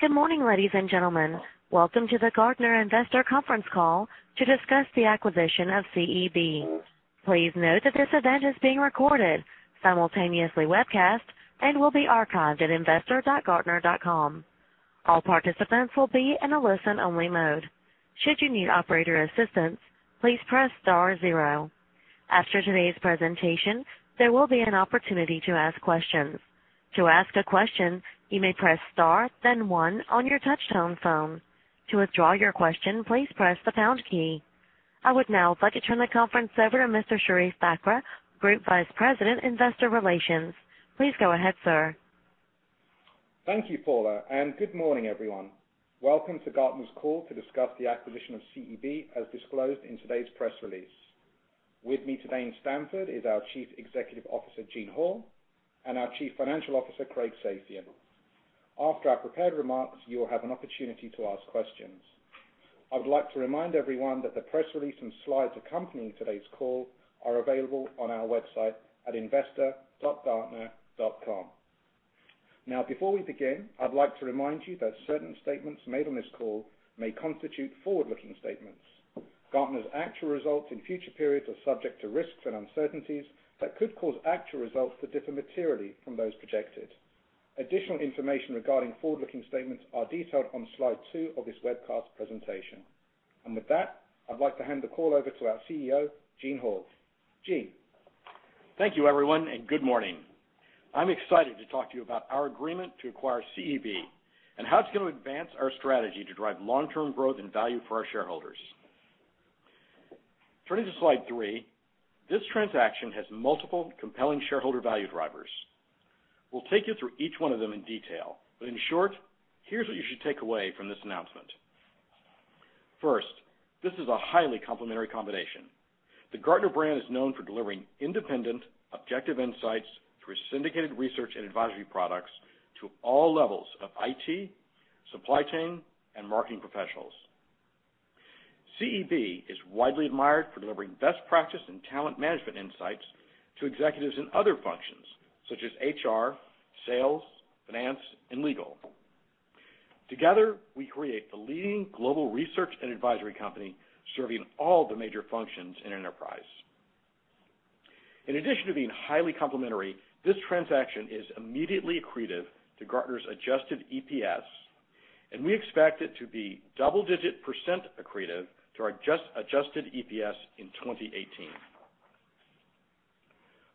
Good morning, ladies and gentlemen. Welcome to the Gartner Investor Conference Call to discuss the acquisition of CEB. Please note that this event is being recorded, simultaneously webcast, and will be archived at investor.gartner.com. All participants will be in a listen-only mode. Should you need operator assistance, please press star zero. After today's presentation, there will be an opportunity to ask questions. To ask a question, you may press star, then one on your touch-tone phone. To withdraw your question, please press the pound key. I would now like to turn the conference over to Mr. Sherief Bakr, Group Vice President, Investor Relations. Please go ahead, sir. Thank you, Paula. Good morning, everyone. Welcome to Gartner's call to discuss the acquisition of CEB, as disclosed in today's press release. With me today in Stamford is our Chief Executive Officer, Eugene Hall, and our Chief Financial Officer, Craig Safian. After our prepared remarks, you will have an opportunity to ask questions. I would like to remind everyone that the press release and slides accompanying today's call are available on our website at investor.gartner.com. Before we begin, I'd like to remind you that certain statements made on this call may constitute forward-looking statements. Gartner's actual results in future periods are subject to risks and uncertainties that could cause actual results to differ materially from those projected. Additional information regarding forward-looking statements are detailed on slide two of this webcast presentation. With that, I'd like to hand the call over to our CEO, Gene Hall. Gene. Thank you, everyone, and good morning. I'm excited to talk to you about our agreement to acquire CEB and how it's gonna advance our strategy to drive long-term growth and value for our shareholders. Turning to slide three, this transaction has multiple compelling shareholder value drivers. We'll take you through each one of them in detail, but in short, here's what you should take away from this announcement. First, this is a highly complementary combination. The Gartner brand is known for delivering independent, objective insights through syndicated research and advisory products to all levels of IT, supply chain, and marketing professionals. CEB is widely admired for delivering best practice and talent management insights to executives in other functions, such as HR, sales, finance, and legal. Together, we create the leading global research and advisory company serving all the major functions in enterprise. In addition to being highly complementary, this transaction is immediately accretive to Gartner's adjusted EPS, and we expect it to be double-digit percent accretive to our adjusted EPS in 2018.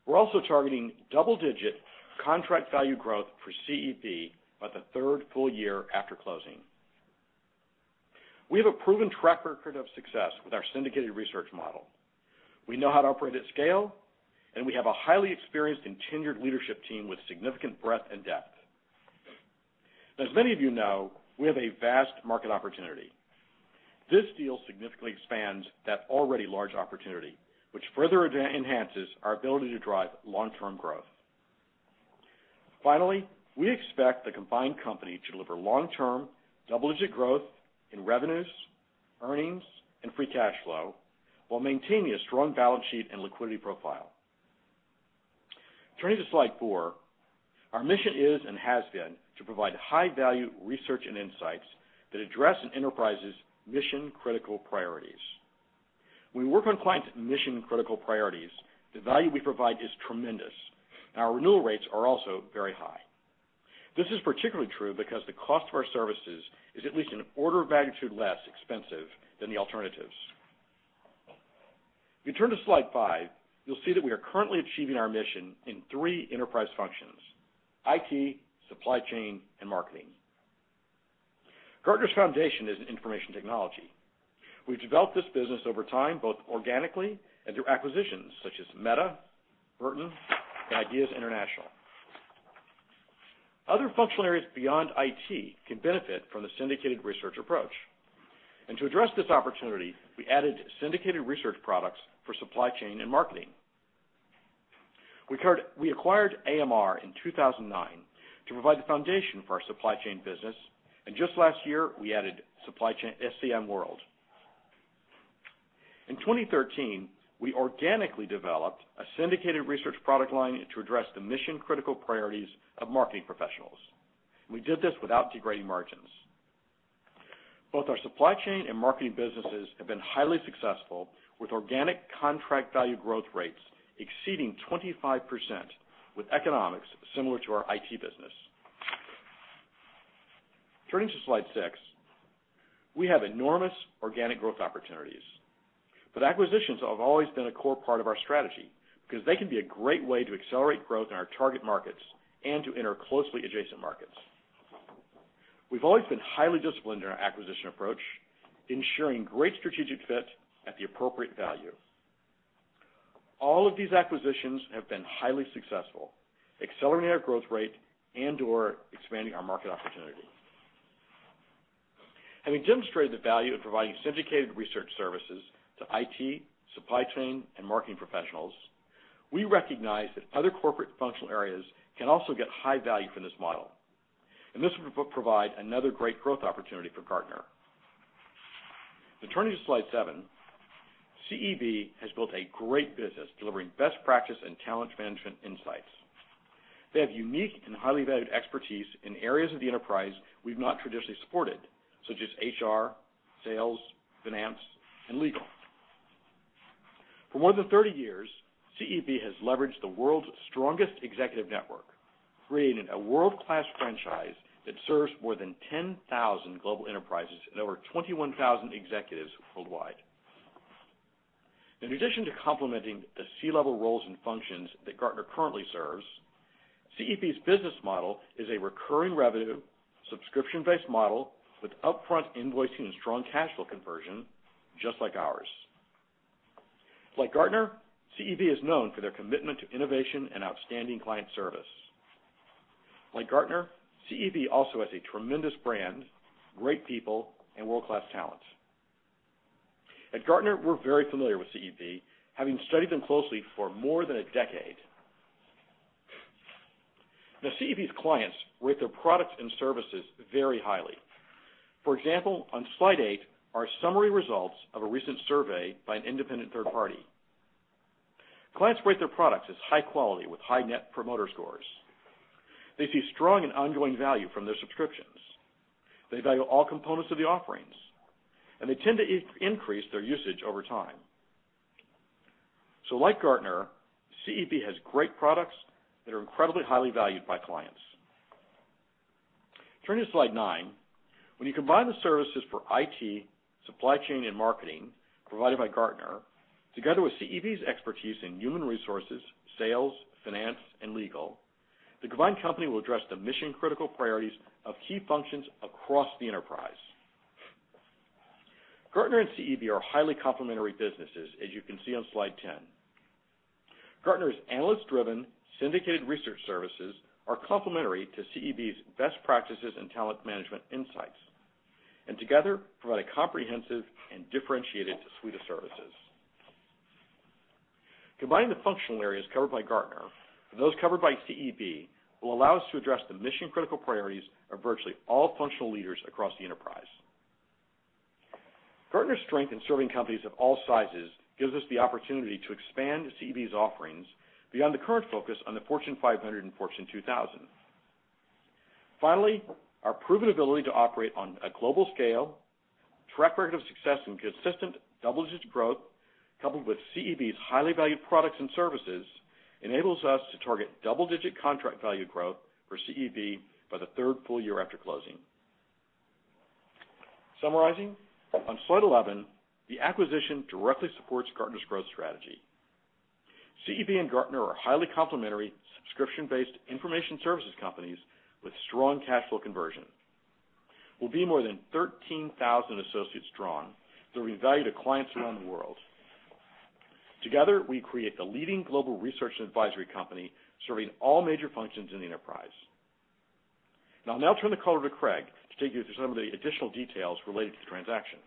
We are also targeting double-digit contract value growth for CEB by the third full year after closing. We have a proven track record of success with our syndicated research model. We know how to operate at scale, and we have a highly experienced and tenured leadership team with significant breadth and depth. As many of you know, we have a vast market opportunity. This deal significantly expands that already large opportunity, which further enhances our ability to drive long-term growth. Finally, we expect the combined company to deliver long-term, double-digit growth in revenues, earnings, and free cash flow while maintaining a strong balance sheet and liquidity profile. Turning to slide four, our mission is and has been to provide high-value research and insights that address an enterprise's mission-critical priorities. When we work on clients' mission-critical priorities, the value we provide is tremendous, and our renewal rates are also very high. This is particularly true because the cost of our services is at least an order of magnitude less expensive than the alternatives. If you turn to slide five, you'll see that we are currently achieving our mission in three enterprise functions: IT, supply chain, and marketing. Gartner's foundation is in information technology. We've developed this business over time, both organically and through acquisitions such as Meta, Burton, and Ideas International. Other functional areas beyond IT can benefit from the syndicated research approach. To address this opportunity, we added syndicated research products for supply chain and marketing. We acquired AMR in 2009 to provide the foundation for our supply chain business. Just last year, we added supply chain SCM World. In 2013, we organically developed a syndicated research product line to address the mission-critical priorities of marketing professionals. We did this without degrading margins. Both our supply chain and marketing businesses have been highly successful with organic Contract value growth rates exceeding 25%, with economics similar to our IT business. Turning to slide six, we have enormous organic growth opportunities. Acquisitions have always been a core part of our strategy because they can be a great way to accelerate growth in our target markets and to enter closely adjacent markets. We've always been highly disciplined in our acquisition approach, ensuring great strategic fit at the appropriate value. All of these acquisitions have been highly successful, accelerating our growth rate and/or expanding our market opportunity. Having demonstrated the value of providing syndicated research services to IT, supply chain, and marketing professionals, we recognize that other corporate functional areas can also get high value from this model, this will provide another great growth opportunity for Gartner. Turning to slide seven, CEB has built a great business delivering best practice and talent management insights. They have unique and highly valued expertise in areas of the enterprise we've not traditionally supported, such as HR, sales, finance, and legal. For more than 30 years, CEB has leveraged the world's strongest executive network, creating a world-class franchise that serves more than 10,000 global enterprises and over 21,000 executives worldwide. In addition to complementing the C-level roles and functions that Gartner currently serves, CEB's business model is a recurring revenue subscription-based model with upfront invoicing and strong cash flow conversion, just like ours. Like Gartner, CEB is known for their commitment to innovation and outstanding client service. Like Gartner, CEB also has a tremendous brand, great people, and world-class talent. At Gartner, we're very familiar with CEB, having studied them closely for more than a decade. Now, CEB's clients rate their products and services very highly. For example, on slide eight are summary results of a recent survey by an independent third party. Clients rate their products as high quality with high Net Promoter Scores. They see strong and ongoing value from their subscriptions. They value all components of the offerings, and they tend to increase their usage over time. Like Gartner, CEB has great products that are incredibly highly valued by clients. Turning to slide nine. When you combine the services for IT, supply chain, and marketing provided by Gartner together with CEB's expertise in human resources, sales, finance, and legal, the combined company will address the mission-critical priorities of key functions across the enterprise. Gartner and CEB are highly complementary businesses, as you can see on slide 10. Gartner's analyst-driven syndicated research services are complementary to CEB's best practices and talent management insights, and together provide a comprehensive and differentiated suite of services. Combining the functional areas covered by Gartner and those covered by CEB will allow us to address the mission-critical priorities of virtually all functional leaders across the enterprise. Gartner's strength in serving companies of all sizes gives us the opportunity to expand CEB's offerings beyond the current focus on the Fortune 500 and Fortune 2000. Our proven ability to operate on a global scale, track record of success and consistent double-digit growth, coupled with CEB's highly valued products and services, enables us to target double-digit Contract value growth for CEB by the third full year after closing. Summarizing, on slide 11, the acquisition directly supports Gartner's growth strategy. CEB and Gartner are highly complementary, subscription-based information services companies with strong cash flow conversion. We'll be more than 13,000 associates strong, delivering value to clients around the world. Together, we create the leading global research and advisory company serving all major functions in the enterprise. I'll now turn the call over to Craig to take you through some of the additional details related to the transaction.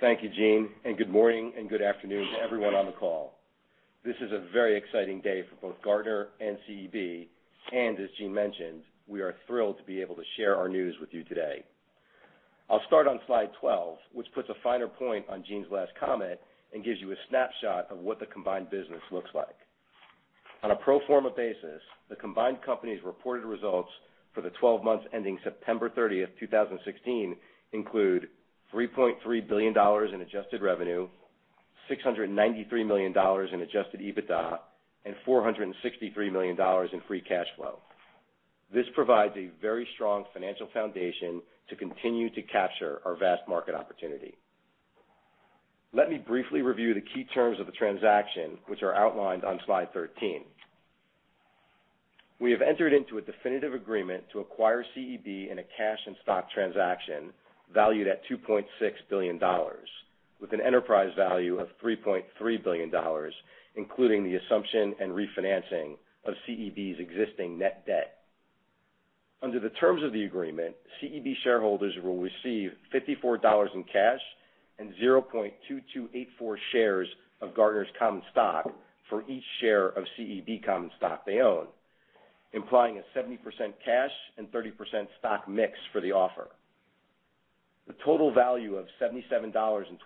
Thank you, Gene, and good morning and good afternoon to everyone on the call. This is a very exciting day for both Gartner and CEB, and as Gene mentioned, we are thrilled to be able to share our news with you today. I'll start on slide 12, which puts a finer point on Gene's last comment and gives you a snapshot of what the combined business looks like. On a pro forma basis, the combined company's reported results for the 12 months ending September 30th, 2016 include $3.3 billion in adjusted revenue, $693 million in adjusted EBITDA, and $463 million in free cash flow. This provides a very strong financial foundation to continue to capture our vast market opportunity. Let me briefly review the key terms of the transaction, which are outlined on slide 13. We have entered into a definitive agreement to acquire CEB in a cash and stock transaction valued at $2.6 billion, with an enterprise value of $3.3 billion, including the assumption and refinancing of CEB's existing net debt. Under the terms of the agreement, CEB shareholders will receive $54 in cash and 0.2284 shares of Gartner's common stock for each share of CEB common stock they own, implying a 70% cash and 30% stock mix for the offer. The total value of $77.25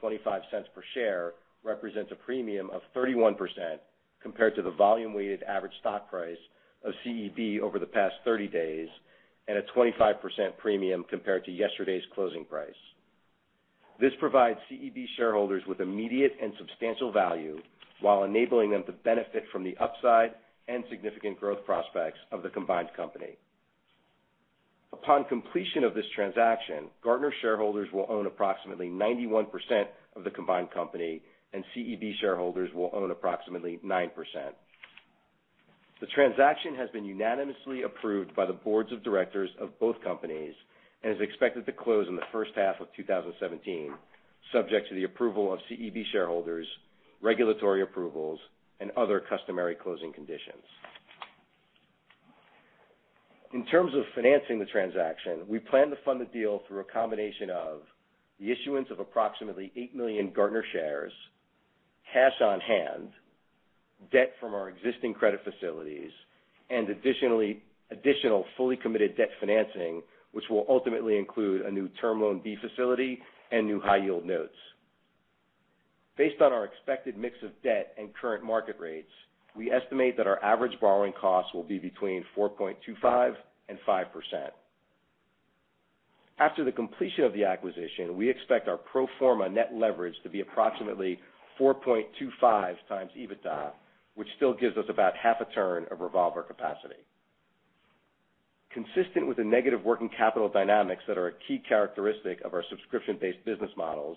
per share represents a premium of 31% compared to the volume weighted average stock price of CEB over the past 30 days, and a 25% premium compared to yesterday's closing price. This provides CEB shareholders with immediate and substantial value while enabling them to benefit from the upside and significant growth prospects of the combined company. Upon completion of this transaction, Gartner shareholders will own approximately 91% of the combined company, and CEB shareholders will own approximately 9%. The transaction has been unanimously approved by the boards of directors of both companies and is expected to close in the first half of 2017, subject to the approval of CEB shareholders, regulatory approvals, and other customary closing conditions. In terms of financing the transaction, we plan to fund the deal through a combination of the issuance of approximately 8 million Gartner shares, cash on hand-Debt from our existing credit facilities and additional fully committed debt financing, which will ultimately include a new Term Loan B facility and new high-yield notes. Based on our expected mix of debt and current market rates, we estimate that our average borrowing costs will be between 4.25% and 5%. After the completion of the acquisition, we expect our pro forma net leverage to be approximately 4.25x EBITDA, which still gives us about half a turn of revolver capacity. Consistent with the negative working capital dynamics that are a key characteristic of our subscription-based business models,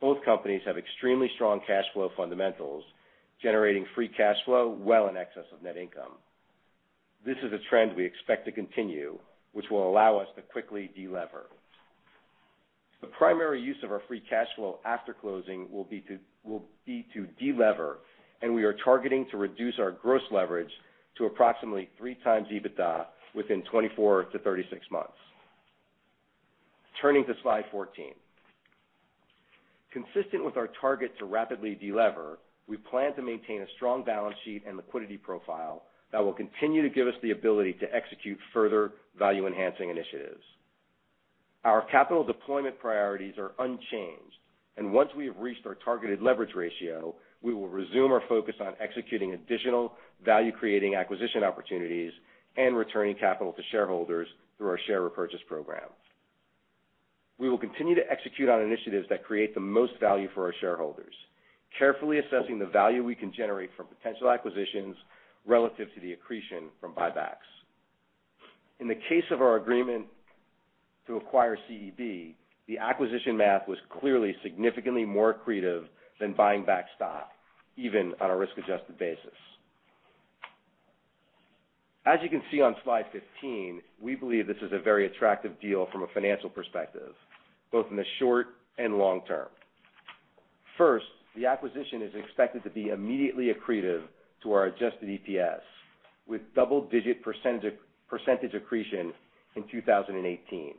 both companies have extremely strong cash flow fundamentals, generating free cash flow well in excess of net income. This is a trend we expect to continue, which will allow us to quickly de-lever. The primary use of our free cash flow after closing will be to de-lever, we are targeting to reduce our gross leverage to approximately 3x EBITDA within 24-36 months. Turning to slide 14. Consistent with our target to rapidly de-lever, we plan to maintain a strong balance sheet and liquidity profile that will continue to give us the ability to execute further value-enhancing initiatives. Our capital deployment priorities are unchanged, and once we have reached our targeted leverage ratio, we will resume our focus on executing additional value-creating acquisition opportunities and returning capital to shareholders through our share repurchase program. We will continue to execute on initiatives that create the most value for our shareholders, carefully assessing the value we can generate from potential acquisitions relative to the accretion from buybacks. In the case of our agreement to acquire CEB, the acquisition math was clearly significantly more accretive than buying back stock, even on a risk-adjusted basis. As you can see on slide 15, we believe this is a very attractive deal from a financial perspective, both in the short and long term. First, the acquisition is expected to be immediately accretive to our adjusted EPS, with double-digit percent accretion in 2018.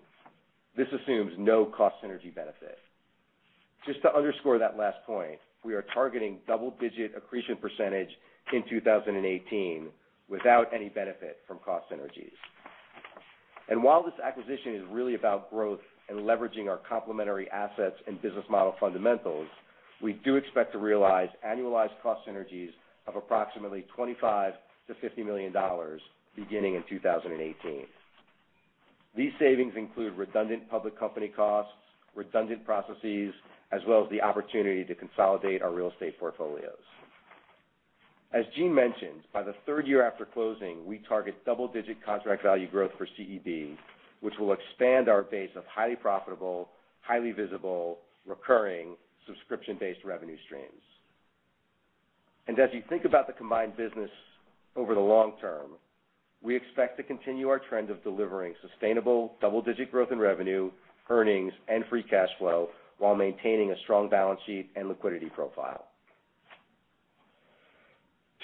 This assumes no cost synergy benefit. Just to underscore that last point, we are targeting double-digit accretion percentage in 2018 without any benefit from cost synergies. While this acquisition is really about growth and leveraging our complementary assets and business model fundamentals, we do expect to realize annualized cost synergies of approximately $25 million-$50 million beginning in 2018. These savings include redundant public company costs, redundant processes, as well as the opportunity to consolidate our real estate portfolios. As Gene mentioned, by the third year after closing, we target double-digit contract value growth for CEB, which will expand our base of highly profitable, highly visible, recurring, subscription-based revenue streams. As you think about the combined business over the long term, we expect to continue our trend of delivering sustainable double-digit growth in revenue, earnings, and free cash flow, while maintaining a strong balance sheet and liquidity profile.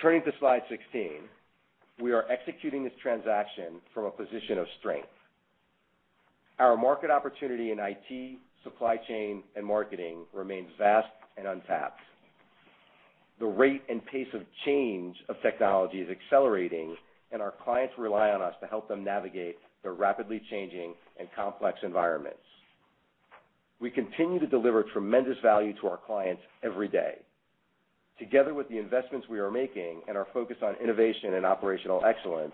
Turning to slide 16. We are executing this transaction from a position of strength. Our market opportunity in IT, supply chain, and marketing remains vast and untapped. The rate and pace of change of technology is accelerating, and our clients rely on us to help them navigate the rapidly changing and complex environments. We continue to deliver tremendous value to our clients every day. Together with the investments we are making and our focus on innovation and operational excellence,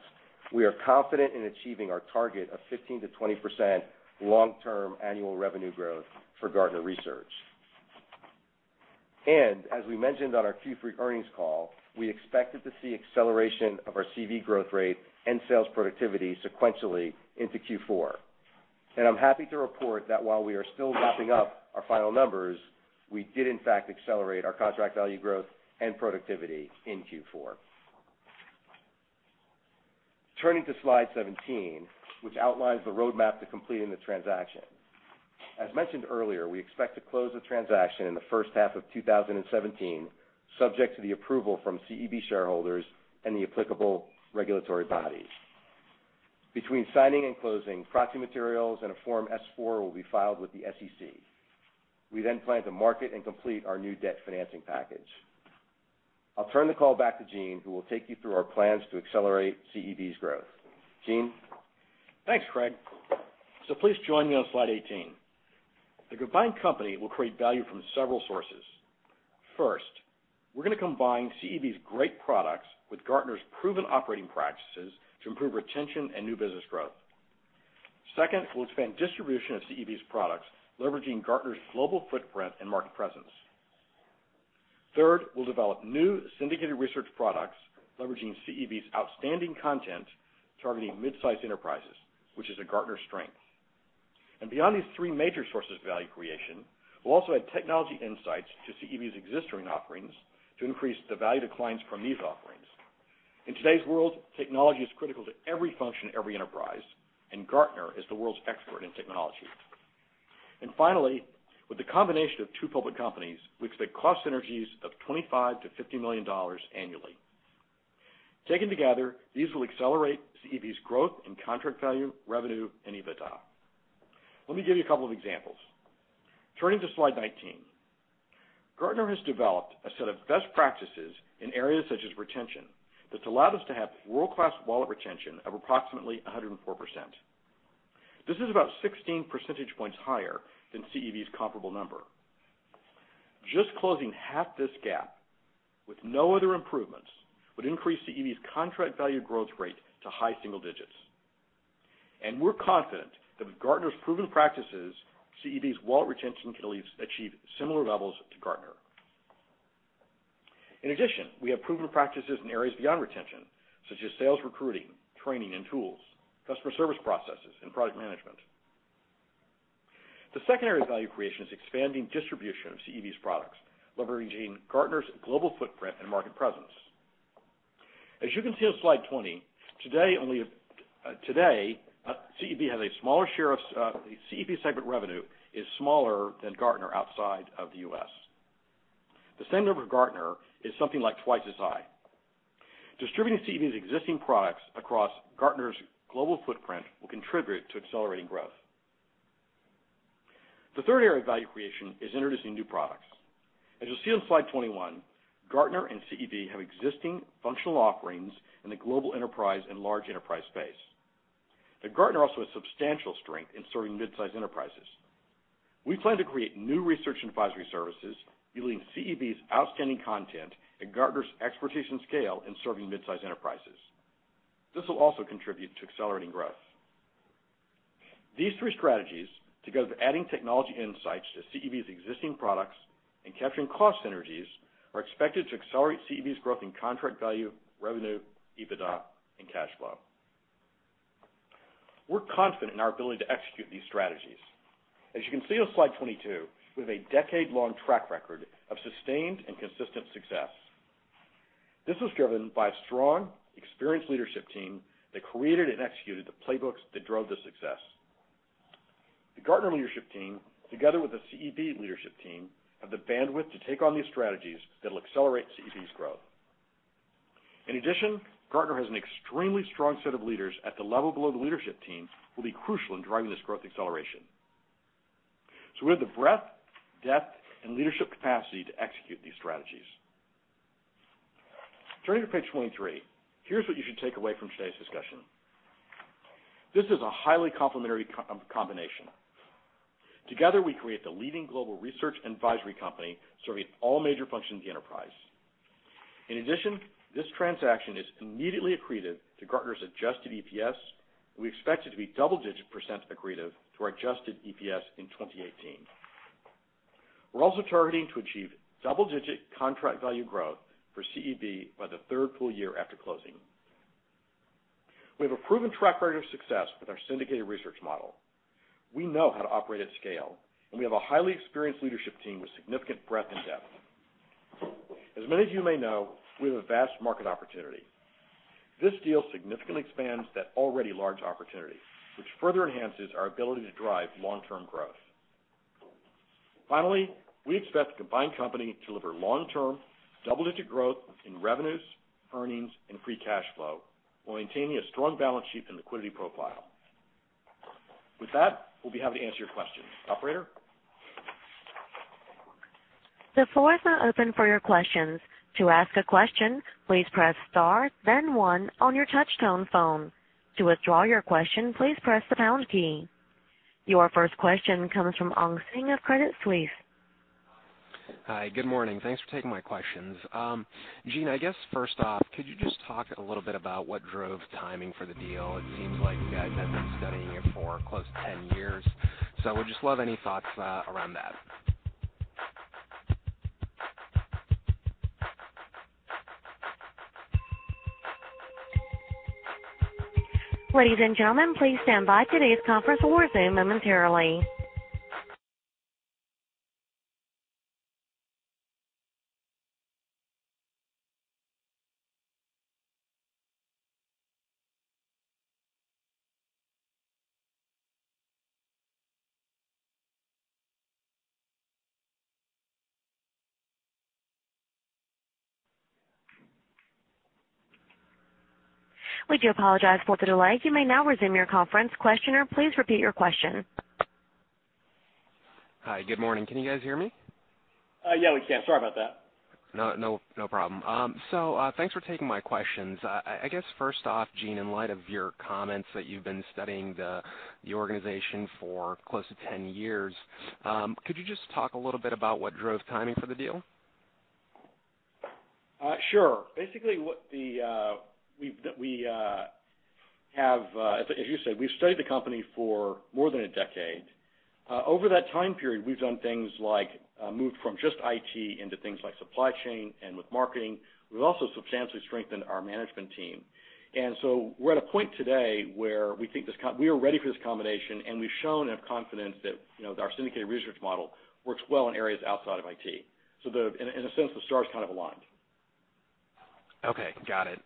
we are confident in achieving our target of 15%-20% long-term annual revenue growth for Gartner Research. As we mentioned on our Q3 earnings call, we expected to see acceleration of our CV growth rate and sales productivity sequentially into Q4. I'm happy to report that while we are still wrapping up our final numbers, we did in fact accelerate our contract value growth and productivity in Q4. Turning to slide 17, which outlines the roadmap to completing the transaction. As mentioned earlier, we expect to close the transaction in the first half of 2017, subject to the approval from CEB shareholders and the applicable regulatory bodies. Between signing and closing, proxy materials and a Form S-4 will be filed with the SEC. We plan to market and complete our new debt financing package. I'll turn the call back to Eugene Hall, who will take you through our plans to accelerate CEB's growth. Gene? Thanks, Craig. Please join me on slide 18. The combined company will create value from several sources. First, we're going to combine CEB's great products with Gartner's proven operating practices to improve retention and new business growth. Second, we'll expand distribution of CEB's products, leveraging Gartner's global footprint and market presence. Third, we'll develop new syndicated research products, leveraging CEB's outstanding content, targeting midsize enterprises, which is a Gartner strength. Beyond these three major sources of value creation, we'll also add technology insights to CEB's existing offerings to increase the value to clients from these offerings. In today's world, technology is critical to every function in every enterprise, and Gartner is the world's expert in technology. Finally, with the combination of two public companies, we expect cost synergies of $25 million-$50 million annually. Taken together, these will accelerate CEB's growth and contract value, revenue, and EBITDA. Let me give you a couple of examples. Turning to slide 19. Gartner has developed a set of best practices in areas such as retention that's allowed us to have world-class wallet retention of approximately 104%. This is about 16 percentage points higher than CEB's comparable number. Just closing half this gap with no other improvements would increase CEB's contract value growth rate to high single digits. We're confident that with Gartner's proven practices, CEB's wallet retention can achieve similar levels to Gartner. In addition, we have proven practices in areas beyond retention, such as sales, recruiting, training, and tools, customer service processes, and product management. The secondary value creation is expanding distribution of CEB's products, leveraging Gartner's global footprint and market presence. As you can see on slide 20, today, CEB has a smaller share of, the CEB segment revenue is smaller than Gartner outside of the U.S. The same number of Gartner is something like twice as high. Distributing CEB's existing products across Gartner's global footprint will contribute to accelerating growth. The 3rd area of value creation is introducing new products. As you'll see on slide 21, Gartner and CEB have existing functional offerings in the global enterprise and large enterprise space. Gartner also has substantial strength in serving mid-sized enterprises. We plan to create new research and advisory services using CEB's outstanding content and Gartner's expertise and scale in serving mid-sized enterprises. This will also contribute to accelerating growth. These three strategies, together with adding technology insights to CEB's existing products and capturing cost synergies, are expected to accelerate CEB's growth in contract value, revenue, EBITDA, and cash flow. We're confident in our ability to execute these strategies. As you can see on slide 22, we have a decade-long track record of sustained and consistent success. This was driven by a strong, experienced leadership team that created and executed the playbooks that drove the success. The Gartner leadership team, together with the CEB leadership team, have the bandwidth to take on these strategies that'll accelerate CEB's growth. In addition, Gartner has an extremely strong set of leaders at the level below the leadership team, who will be crucial in driving this growth acceleration. We have the breadth, depth, and leadership capacity to execute these strategies. Turning to page 23, here's what you should take away from today's discussion. This is a highly complementary combination. Together, we create the leading global research advisory company serving all major functions of the enterprise. In addition, this transaction is immediately accretive to Gartner's adjusted EPS. We expect it to be double-digit percent accretive to our adjusted EPS in 2018. We are also targeting to achieve double-digit contract value growth for CEB by the third full year after closing. We have a proven track record of success with our syndicated research model. We know how to operate at scale, and we have a highly experienced leadership team with significant breadth and depth. As many of you may know, we have a vast market opportunity. This deal significantly expands that already large opportunity, which further enhances our ability to drive long-term growth. We expect the combined company to deliver long-term double-digit growth in revenues, earnings, and free cash flow while maintaining a strong balance sheet and liquidity profile. With that, we'll be happy to answer your questions. Operator? The floor is now open for your questions. To ask a question, please press star then one on your touch tone phone. To withdraw your question, please press the pound key. Your first question comes from Anjaneya Singh of Credit Suisse. Hi. Good morning. Thanks for taking my questions. Gene, I guess first off, could you just talk a little bit about what drove timing for the deal? It seems like you guys have been studying it for close to 10 years. I would just love any thoughts around that. Ladies and gentlemen, please stand by. Today's conference will resume momentarily. We do apologize for the delay. You may now resume your conference. Questioner, please repeat your question. Hi. Good morning. Can you guys hear me? Yeah, we can. Sorry about that. No, no problem. Thanks for taking my questions. I guess first off, Gene, in light of your comments that you've been studying the organization for close to 10 years, could you just talk a little bit about what drove timing for the deal? Sure. Basically, what we have, as, like you said, we've studied the company for more than a decade. Over that time period, we've done things like move from just IT into things like supply chain and with marketing. We've also substantially strengthened our management team. We're at a point today where we think we are ready for this combination, and we've shown and have confidence that, you know, our syndicated research model works well in areas outside of IT. The, in a sense, the stars kind of aligned. Okay. Got it.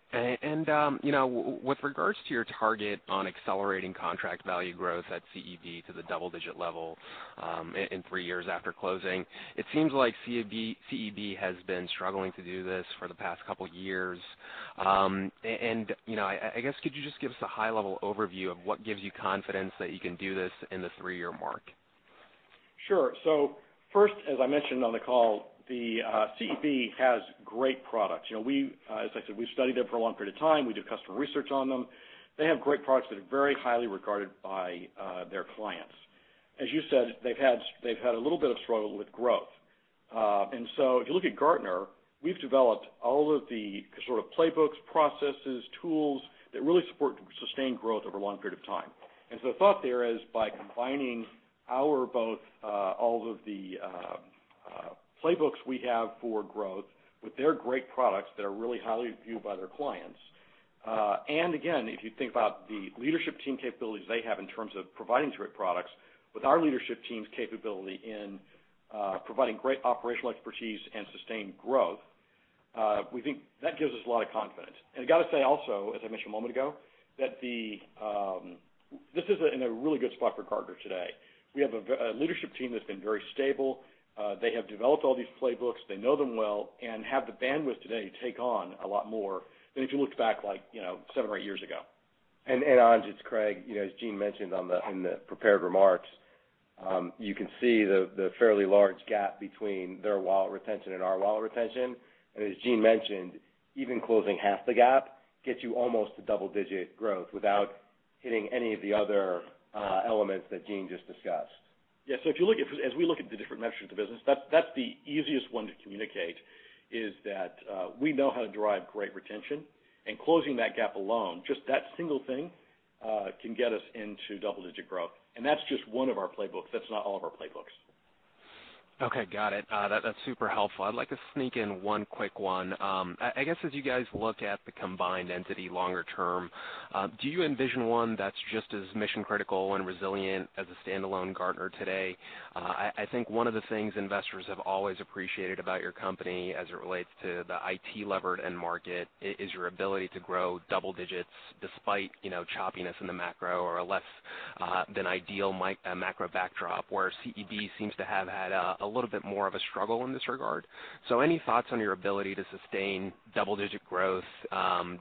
You know, with regards to your target on accelerating Contract Value growth at CEB to the double-digit level, in three years after closing, it seems like CEB has been struggling to do this for the past couple years. You know, I guess could you just give us a high-level overview of what gives you confidence that you can do this in the three-year mark? Sure. First, as I mentioned on the call, the CEB has great products. You know, we, as I said, we studied them for a long period of time. We did customer research on them. They have great products that are very highly regarded by their clients. As you said, they've had a little bit of struggle with growth. If you look at Gartner, we've developed all of the sort of playbooks, processes, tools that really support sustained growth over a long period of time. The thought there is by combining our both, all of the playbooks we have for growth with their great products that are really highly viewed by their clients, and again, if you think about the leadership team capabilities they have in terms of providing great products with our leadership team's capability in providing great operational expertise and sustained growth, we think that gives us a lot of confidence. I gotta say also, as I mentioned a moment ago, that this is in a really good spot for Gartner today. We have a leadership team that's been very stable. They have developed all these playbooks. They know them well and have the bandwidth today to take on a lot more than if you looked back like, you know, seven or eight years ago. Anj, it's Craig. You know, as Gene mentioned on the prepared remarks, you can see the fairly large gap between their wallet retention and our wallet retention. As Gene mentioned, even closing half the gap gets you almost to double-digit growth without hitting any of the other elements that Gene just discussed. As we look at the different metrics of the business, that's the easiest one to communicate, is that we know how to drive great retention. Closing that gap alone, just that single thing, can get us into double-digit growth. That's just one of our playbooks. That's not all of our playbooks. Okay. Got it. That's super helpful. I'd like to sneak in one quick one. I guess as you guys look at the combined entity longer term, do you envision one that's just as mission-critical and resilient as a standalone Gartner today? I think one of the things investors have always appreciated about your company as it relates to the IT levered end market is your ability to grow double digits despite, you know, choppiness in the macro or a less than ideal macro backdrop, where CEB seems to have had a little bit more of a struggle in this regard. Any thoughts on your ability to sustain double-digit growth,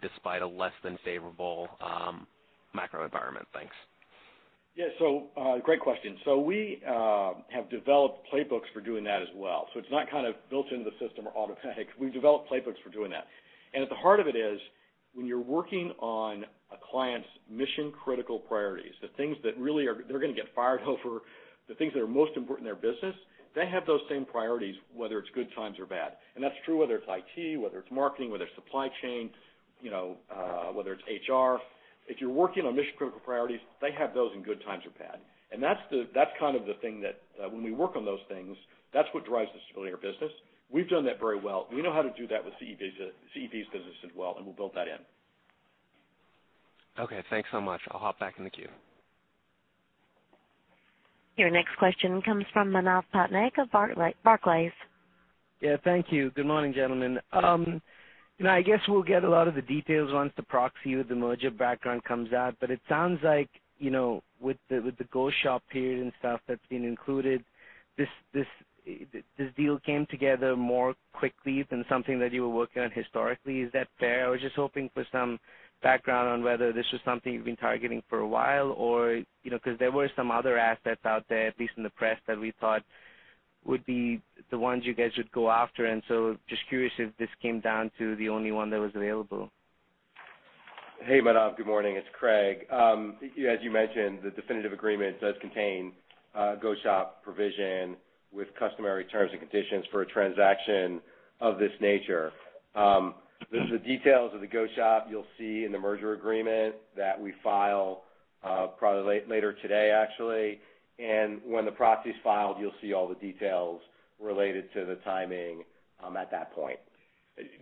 despite a less than favorable macro environment? Thanks. Yeah. Great question. We have developed playbooks for doing that as well. It's not kind of built into the system or automatic. We've developed playbooks for doing that. At the heart of it is, when you're working on a client's mission-critical priorities, the things that really are, they're gonna get fired over the things that are most important in their business, they have those same priorities, whether it's good times or bad. That's true whether it's IT, whether it's marketing, whether it's supply chain, you know, whether it's HR. If you're working on mission-critical priorities, they have those in good times or bad. That's the, that's kind of the thing that, when we work on those things, that's what drives the stability of our business. We've done that very well. We know how to do that with CEB's business as well, and we'll build that in. Okay. Thanks so much. I'll hop back in the queue. Your next question comes from Manav Patnaik of Barclays. Yeah. Thank you. Good morning, gentlemen. You know, I guess we'll get a lot of the details once the proxy with the merger background comes out. It sounds like, you know, with the go-shop period and stuff that's been included, this deal came together more quickly than something that you were working on historically. Is that fair? I was just hoping for some background on whether this was something you've been targeting for a while or, you know, 'cause there were some other assets out there, at least in the press, that we thought would be the ones you guys would go after. Just curious if this came down to the only one that was available. Hey, Manav. Good morning. It's Craig. As you mentioned, the definitive agreement does contain a go-shop provision with customary terms and conditions for a transaction of this nature. The details of the go-shop you'll see in the merger agreement that we file, probably later today, actually. When the proxy's filed, you'll see all the details related to the timing at that point.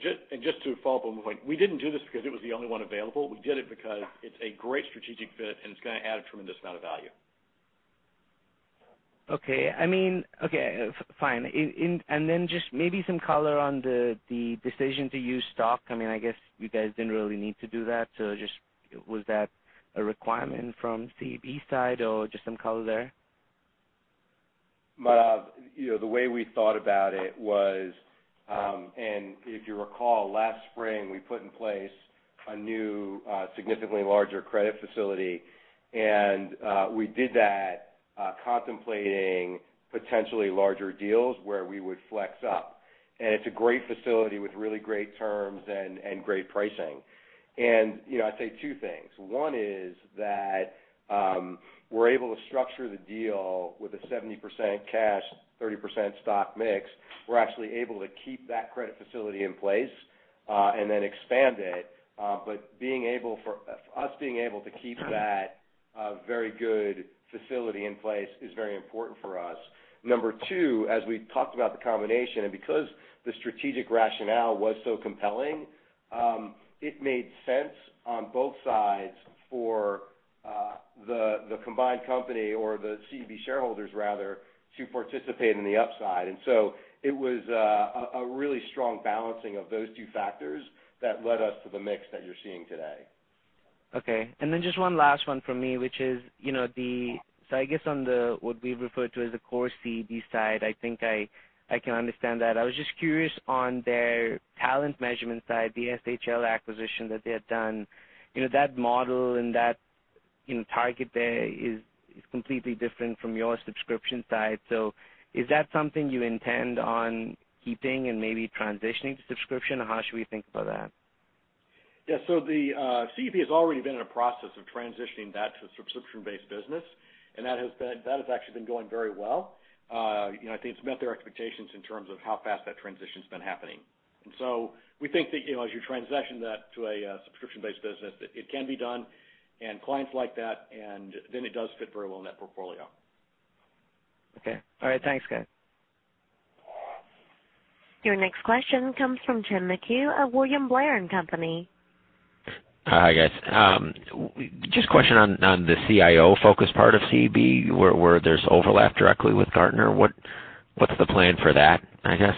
Just to follow up on the point, we didn't do this because it was the only one available. We did it because it's a great strategic fit, and it's gonna add a tremendous amount of value. Okay. I mean, okay, fine. Just maybe some color on the decision to use stock. I mean, I guess you guys didn't really need to do that. Just was that a requirement from CEB's side or just some color there? Manav, you know, the way we thought about it was, if you recall, last spring, we put in place a new, significantly larger credit facility, we did that contemplating potentially larger deals where we would flex up. It's a great facility with really great terms and great pricing. You know, I'd say two things. One is that, we're able to structure the deal with a 70% cash, 30% stock mix. We're actually able to keep that credit facility in place, then expand it. Us being able to keep that very good facility in place is very important for us. Number two, as we talked about the combination, because the strategic rationale was so compelling, it made sense on both sides for The combined company or the CEB shareholders rather, to participate in the upside. It was a really strong balancing of those two factors that led us to the mix that you're seeing today. Okay. Just one last one from me, which is, you know, what we refer to as the core CEB side, I can understand that. I was just curious on their talent measurement side, the SHL acquisition that they had done. You know, that model and that, you know, target there is completely different from your subscription side. Is that something you intend on keeping and maybe transitioning to subscription? How should we think about that? Yeah. The CEB has already been in a process of transitioning that to a subscription-based business, and that has actually been going very well. You know, I think it's met their expectations in terms of how fast that transition's been happening. We think that, you know, as you transition that to a subscription-based business, it can be done and clients like that, and then it does fit very well in that portfolio. Okay. All right, thanks guys. Your next question comes from Tim McHugh of William Blair & Company. Hi, guys. Just a question on the CIO-focused part of CEB where there's overlap directly with Gartner. What's the plan for that, I guess?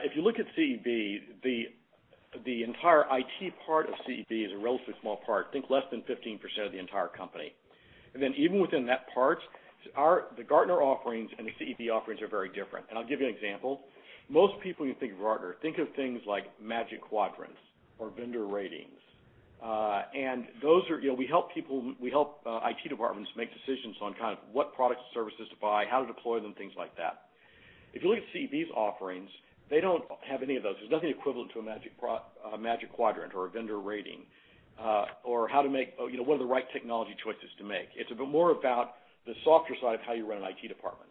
If you look at CEB, the entire IT part of CEB is a relatively small part, I think less than 15% of the entire company. Even within that part, the Gartner offerings and the CEB offerings are very different. I'll give you an example. Most people you think of Gartner think of things like Magic Quadrant or vendor ratings. You know, we help, IT departments make decisions on kind of what products and services to buy, how to deploy them, things like that. If you look at CEB's offerings, they don't have any of those. There's nothing equivalent to a Magic Quadrant or a vendor rating, or how to make, you know, what are the right technology choices to make. It's a bit more about the softer side of how you run an IT department.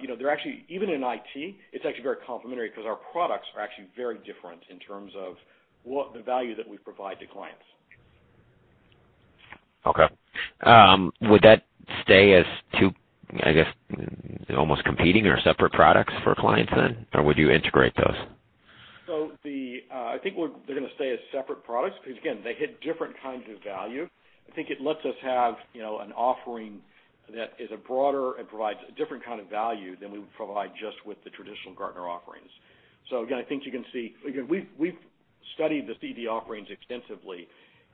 You know, even in IT, it's actually very complementary 'cause our products are actually very different in terms of what the value that we provide to clients. Okay. Would that stay as two, I guess, almost competing or separate products for clients then? Would you integrate those? I think they're gonna stay as separate products, 'cause again, they hit different kinds of value. I think it lets us have, you know, an offering that is a broader and provides a different kind of value than we would provide just with the traditional Gartner offerings. Again, I think you can see. Again, we've studied the CEB offerings extensively,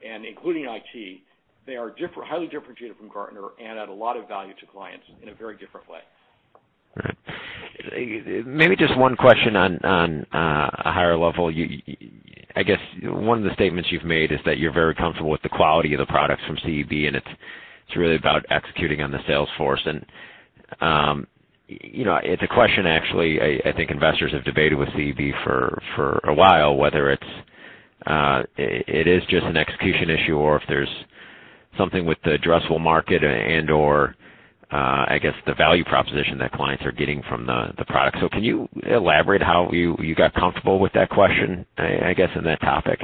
and including IT, they are highly differentiated from Gartner and add a lot of value to clients in a very different way. All right. Maybe just one question on a higher level. You, I guess one of the statements you've made is that you're very comfortable with the quality of the products from CEB, and it's really about executing on the sales force. You know, it's a question actually I think investors have debated with CEB for a while, whether it's just an execution issue or if there's something with the addressable market and/or, I guess the value proposition that clients are getting from the product. Can you elaborate how you got comfortable with that question, I guess, in that topic?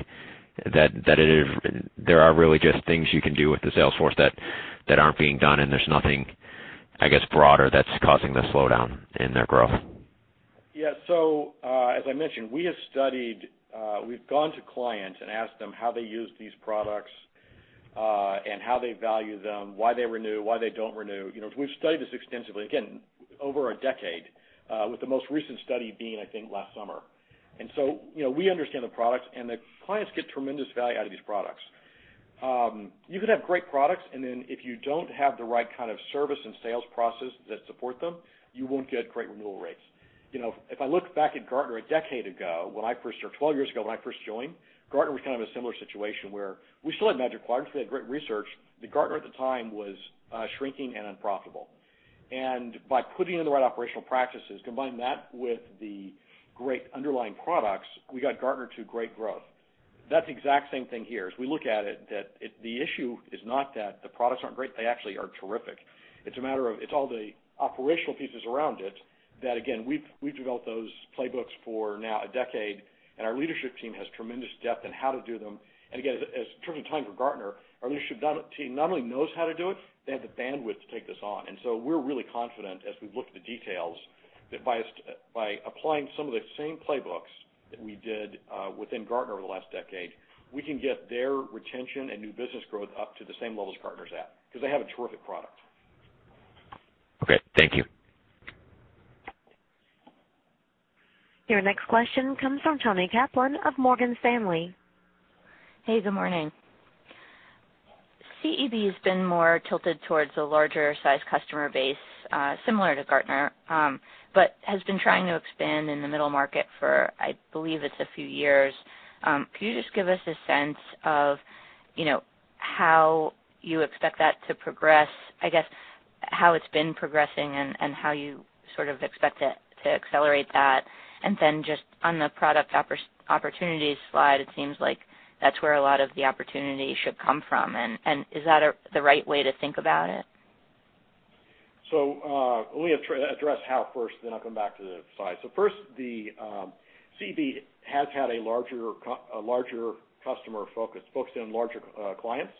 That it is, there are really just things you can do with the sales force that aren't being done and there's nothing, I guess, broader that's causing the slowdown in their growth. As I mentioned, we have studied, we've gone to clients and asked them how they use these products, and how they value them, why they renew, why they don't renew. You know, we've studied this extensively, again, over a decade, with the most recent study being, I think, last summer. You know, we understand the products, and the clients get tremendous value out of these products. You can have great products, and then if you don't have the right kind of service and sales process that support them, you won't get great renewal rates. You know, if I look back at Gartner a decade ago, when I first or 12 years ago, when I first joined, Gartner was kind of a similar situation where we still had Magic Quadrant, they had great research, but Gartner at the time was shrinking and unprofitable. By putting in the right operational practices, combining that with the great underlying products, we got Gartner to great growth. That's the exact same thing here. As we look at it, that the issue is not that the products aren't great. They actually are terrific. It's a matter of it's all the operational pieces around it that, again, we've developed those playbooks for now a decade, and our leadership team has tremendous depth in how to do them. Again, as terms of time for Gartner, our leadership team not only knows how to do it, they have the bandwidth to take this on. We're really confident as we've looked at the details, that by applying some of the same playbooks that we did within Gartner over the last decade, we can get their retention and new business growth up to the same level as Gartner's at, 'cause they have a terrific product. Okay. Thank you. Your next question comes from Toni Kaplan of Morgan Stanley. Hey, good morning. CEB has been more tilted towards a larger size customer base, similar to Gartner, but has been trying to expand in the middle market for, I believe it's a few years. Could you just give us a sense of, you know, how you expect that to progress, I guess, how it's been progressing and how you sort of expect it to accelerate that? Then just on the product opportunities slide, it seems like that's where a lot of the opportunity should come from. Is that the right way to think about it? Let me address how first, then I'll come back to the slide. First, the CEB has had a larger customer focus, focused on larger clients.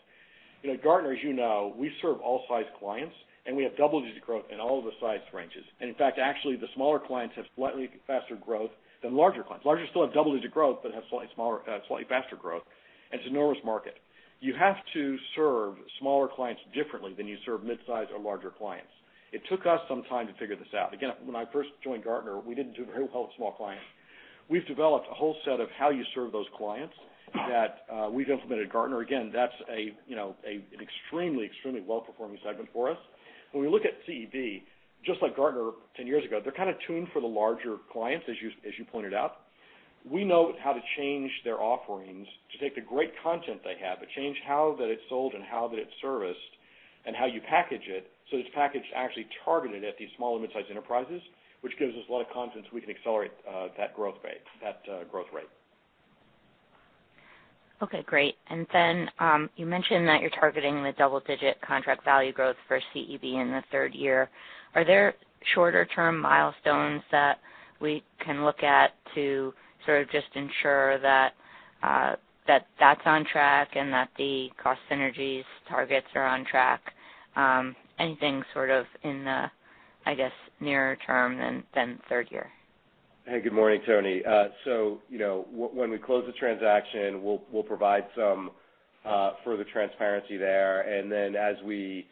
You know, Gartner, as you know, we serve all size clients, and we have double-digit growth in all of the size ranges. In fact, actually, the smaller clients have slightly faster growth than larger clients. Larger still have double-digit growth, have slightly faster growth. It's an enormous market. You have to serve smaller clients differently than you serve mid-size or larger clients. It took us some time to figure this out. Again, when I first joined Gartner, we didn't do very well with small clients. We've developed a whole set of how you serve those clients that we've implemented at Gartner. Again, that's an extremely well-performing segment for us. When we look at CEB, just like Gartner 10 years ago, they're kinda tuned for the larger clients, as you pointed out. We know how to change their offerings to take the great content they have, but change how that it's sold and how that it's serviced and how you package it, so it's packaged actually targeted at these small and midsize enterprises, which gives us a lot of confidence we can accelerate that growth rate. Okay, great. Then, you mentioned that you're targeting the double-digit Contract value growth for CEB in the third year. Are there shorter-term milestones that we can look at to sort of just ensure that that's on track and that the cost synergies targets are on track? Anything sort of in the, I guess, nearer term than third year? Good morning, Toni. You know, when we close the transaction, we'll provide some further transparency there. As we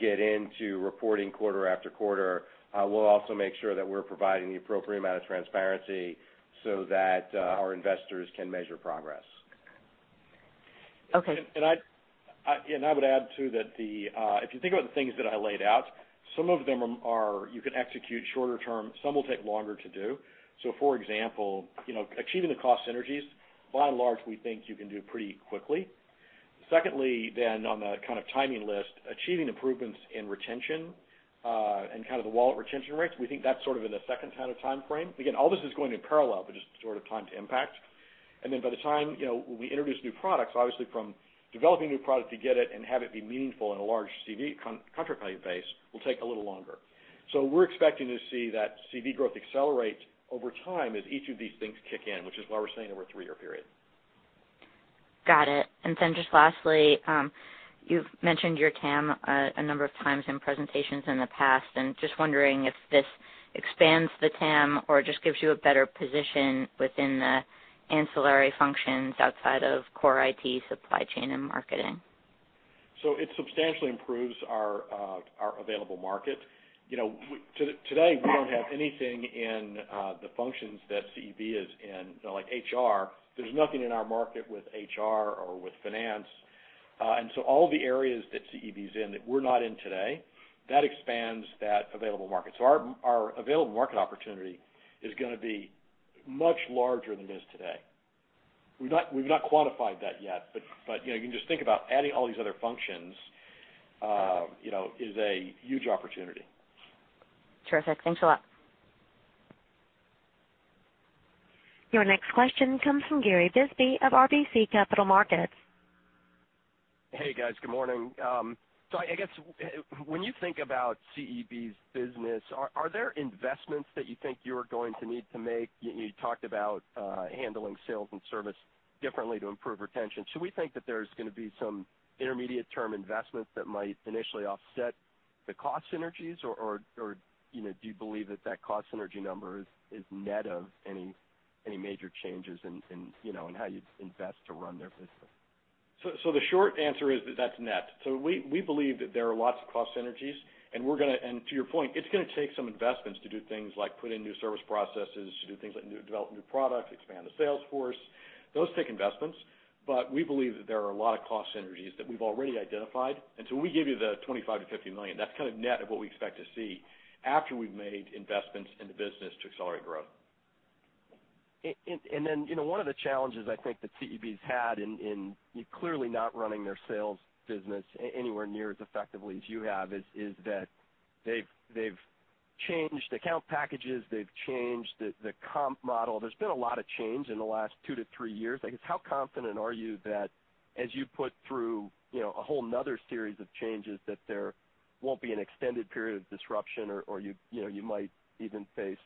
get into reporting quarter after quarter, we'll also make sure that we're providing the appropriate amount of transparency so that our investors can measure progress. Okay. I would add, too, that the, if you think about the things that I laid out, some of them are you can execute shorter term, some will take longer to do. For example, you know, achieving the cost synergies, by and large, we think you can do pretty quickly. Secondly, on the kind of timing list, achieving improvements in retention, and kind of the wallet retention rates, we think that's sort of in the second kind of timeframe. Again, all this is going in parallel, but just sort of time to impact. By the time, you know, we introduce new products, obviously from developing new product to get it and have it be meaningful in a large CEB contract value base will take a little longer. We're expecting to see that CEB growth accelerate over time as each of these things kick in, which is why we're saying over a three-year period. Got it. Just lastly, you've mentioned your TAM a number of times in presentations in the past. Just wondering if this expands the TAM or just gives you a better position within the ancillary functions outside of core IT supply chain and marketing. It substantially improves our available market. You know, today, we don't have anything in the functions that CEB is in, you know, like HR. There's nothing in our market with HR or with finance. All the areas that CEB's in that we're not in today, that expands that available market. Our available market opportunity is gonna be much larger than it is today. We've not quantified that yet, but, you know, you can just think about adding all these other functions, you know, is a huge opportunity. Terrific. Thanks a lot. Your next question comes from Gary Bisbee of RBC Capital Markets. Hey, guys. Good morning. I guess, when you think about CEB's business, are there investments that you think you're gonna need to make? You talked about handling sales and service differently to improve retention. Should we think that there's gonna be some intermediate term investments that might initially offset the cost synergies or, you know, do you believe that that cost synergy number is net of any major changes in, you know, in how you'd invest to run their business? The short answer is that that's net. We believe that there are lots of cost synergies. To your point, it's gonna take some investments to do things like put in new service processes, to do things like develop new products, expand the sales force. Those take investments. We believe that there are a lot of cost synergies that we've already identified. When we give you the $25 million-$50 million, that's kind of net of what we expect to see after we've made investments in the business to accelerate growth. You know, one of the challenges I think that CEB's had in clearly not running their sales business anywhere near as effectively as you have is that they've changed account packages, they've changed the comp model. There's been a lot of change in the last two to three years. I guess how confident are you that as you put through, you know, a whole another series of changes, that there won't be an extended period of disruption or you know, you might even face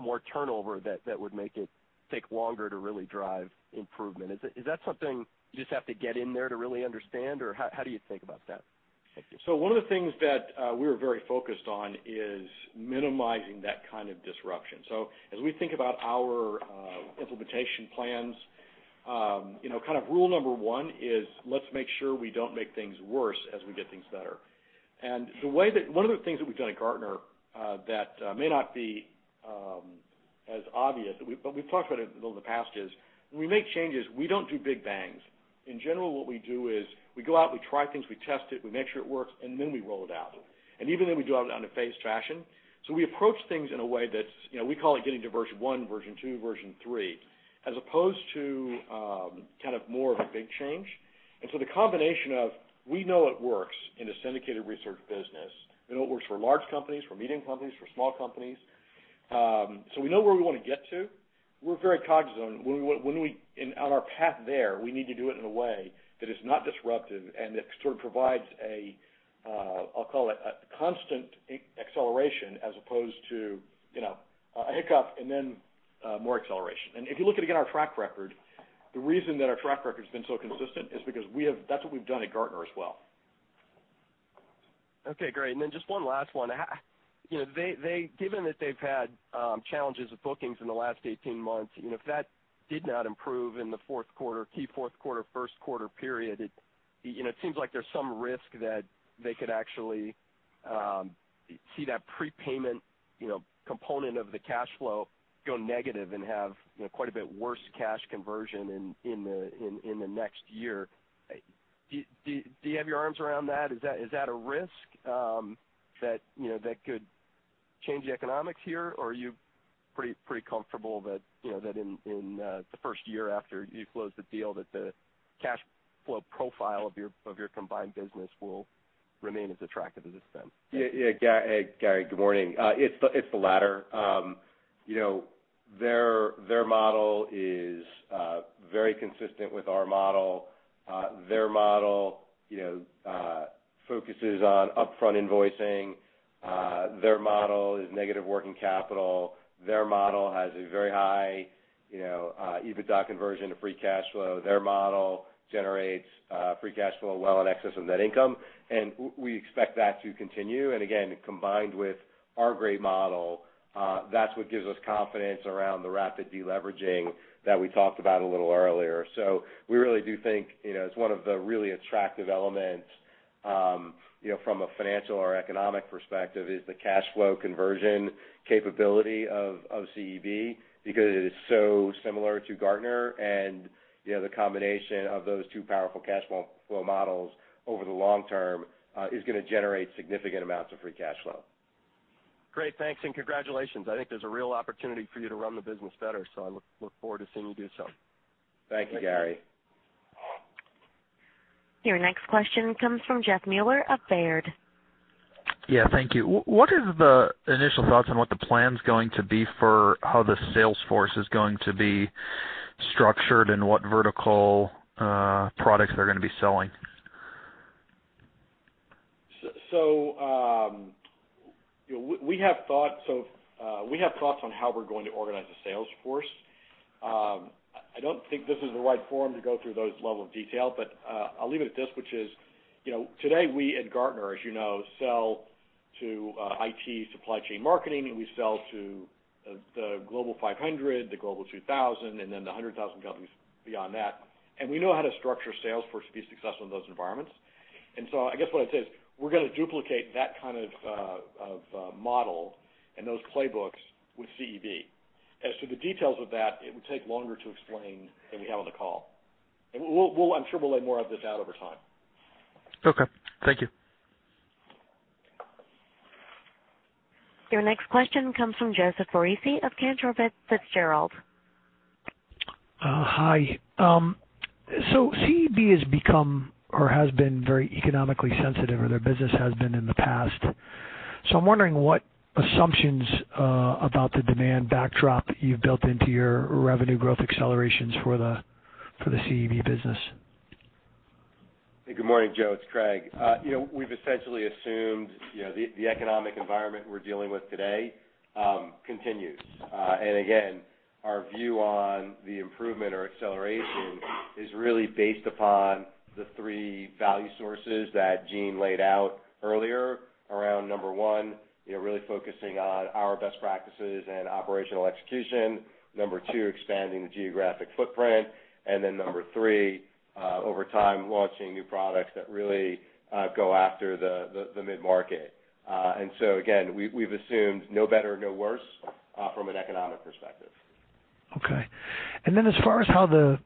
more turnover that would make it take longer to really drive improvement? Is that something you just have to get in there to really understand or how do you think about that? Thank you. One of the things that we're very focused on is minimizing that kind of disruption. As we think about our implementation plans, you know, kind of rule number one is, let's make sure we don't make things worse as we get things better. One of the things that we've done at Gartner that may not be as obvious, but we've talked about it a little in the past, is when we make changes, we don't do big bangs. In general, what we do is we go out, we try things, we test it, we make sure it works, and then we roll it out. Even then we do it out in a phased fashion. We approach things in a way that's, you know, we call it getting to version one, version two, version three, as opposed to kind of more of a big change. The combination of we know it works in the syndicated research business, we know it works for large companies, for medium companies, for small companies. We know where we wanna get to. We're very cognizant on our path there, we need to do it in a way that is not disruptive and that sort of provides a, I'll call it a constant acceleration as opposed to, you know, a hiccup and then more acceleration. If you look at, again, our track record, the reason that our track record's been so consistent is because that's what we've done at Gartner as well. Okay, great. Then just one last one. You know, given that they've had challenges with bookings in the last 18 months, you know, if that did not improve in the fourth quarter, key fourth quarter, first quarter period, it, you know, it seems like there's some risk that they could actually see that prepayment, you know, component of the cash flow go negative and have, you know, quite a bit worse cash conversion in the next year. Do you have your arms around that? Is that a risk, that, you know, that could change the economics here? Or are you pretty comfortable that, you know, that in the first year after you close the deal, that the cash flow profile of your combined business will remain as attractive as it's been? Yeah, Gary, good morning. It's the latter. You know, their model is very consistent with our model. Their model, you know, focuses on upfront invoicing. Their model is negative working capital. Their model has a very high, you know, EBITDA conversion to free cash flow. Their model generates free cash flow well in excess of net income, and we expect that to continue. Again, combined with our grid model, that's what gives us confidence around the rapid deleveraging that we talked about a little earlier. We really do think, you know, as one of the really attractive elements, you know, from a financial or economic perspective, is the cash flow conversion capability of CEB because it is so similar to Gartner. You know, the combination of those two powerful cash flow models over the long term, is gonna generate significant amounts of free cash flow. Great. Thanks, and congratulations. I think there's a real opportunity for you to run the business better, so I look forward to seeing you do so. Thank you, Gary. Your next question comes from Jeffrey Meuler of Baird. Yeah. Thank you. What is the initial thoughts on what the plan's going to be for how the sales force is going to be structured and what vertical products they're gonna be selling? You know, we have thoughts on how we're going to organize the sales force. I don't think this is the right forum to go through those level of detail, but I'll leave it at this, which is, you know, today we at Gartner, as you know, sell to IT, supply chain marketing, and we sell to the Global 500, the Global 2000, and then the 100,000 companies beyond that. We know how to structure sales force to be successful in those environments. I guess what I'd say is we're gonna duplicate that kind of model and those playbooks with CEB. As to the details of that, it would take longer to explain than we have on the call. I'm sure we'll lay more of this out over time. Okay. Thank you. Your next question comes from Joseph Foresi of Cantor Fitzgerald. Hi. CEB has become or has been very economically sensitive, or their business has been in the past. I'm wondering what assumptions about the demand backdrop you've built into your revenue growth accelerations for the CEB business? Hey, good morning, Joe, it's Craig. You know, we've essentially assumed, you know, the economic environment we're dealing with today continues. Again, our view on the improvement or acceleration is really based upon the three value sources that Gene laid out earlier around, number one, you know, really focusing on our best practices and operational execution. Number two, expanding the geographic footprint. Then number three, over time, launching new products that really go after the mid-market. Again, we've assumed no better, no worse, from an economic perspective. As far as how the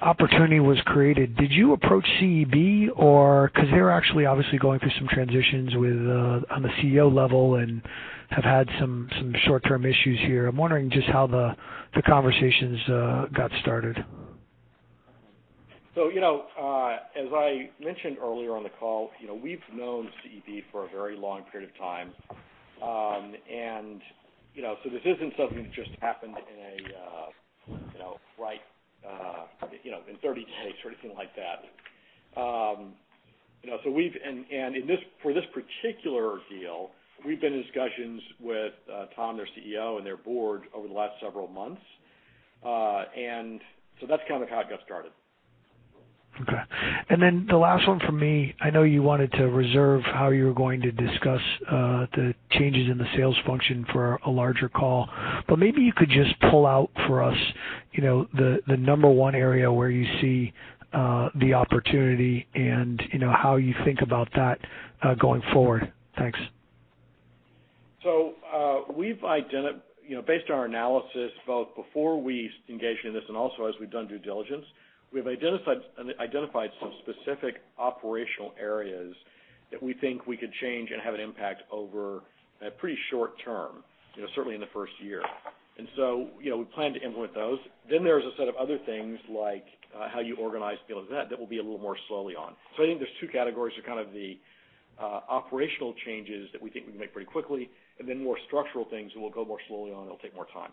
opportunity was created, did you approach CEB, or 'cause they're actually obviously going through some transitions on the CEO level and have had some short-term issues here? I'm wondering just how the conversations got started. You know, as I mentioned earlier on the call, you know, we've known CEB for a very long period of time. You know, this isn't something that just happened in a, you know, in 30 days or anything like that. You know, for this particular deal, we've been in discussions with Tom, their CEO, and their board over the last several months. That's kind of how it got started. Okay. Then the last one from me, I know you wanted to reserve how you were going to discuss the changes in the sales function for a larger call, but maybe you could just pull out for us, you know, the number one area where you see the opportunity and, you know, how you think about that going forward? Thanks. We've, you know, based on our analysis, both before we engaged in this and also as we've done due diligence, we've identified some specific operational areas that we think we could change and have an impact over a pretty short term, you know, certainly in the first year. You know, we plan to implement those. There's a set of other things like how you organize sales event that will be a little more slowly on. I think there's two categories are kind of the operational changes that we think we can make pretty quickly, and then more structural things will go more slowly on. It'll take more time.